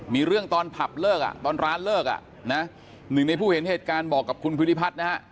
มีเรื่องตอนผับเลิกอ่ะตอนร้านเลิกอ่ะนะหนึ่งในผู้เห็นเหตุการณ์บอกกับคุณภูริพัฒน์นะฮะ